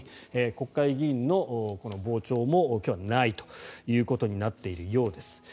国会議員の傍聴も今日はないということになっているようです。